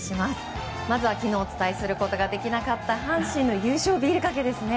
まずは昨日お伝えすることができなかった阪神の優勝ビールかけですね。